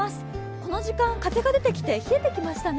この時間、風が出てきて冷えてきましたね。